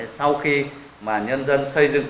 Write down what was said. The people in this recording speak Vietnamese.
sau khi mà nhân dân xây dựng